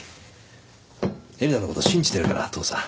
えりなのこと信じてるから父さん。